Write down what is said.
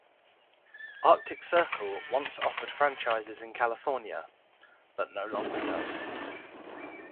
Arctic Circle once offered franchises in California, but no longer does.